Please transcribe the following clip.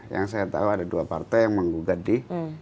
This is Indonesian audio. yang saya tahu ada dua partai yang menggugat di